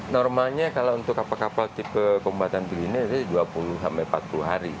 normalnya kalau untuk kapal kapal tipe kombatan begini dua puluh sampai empat puluh hari